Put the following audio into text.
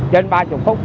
trên ba mươi phút